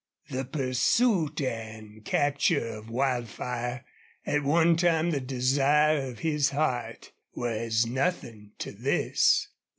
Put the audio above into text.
The pursuit and capture of Wildfire, at one time the desire of his heart, were as nothing to this.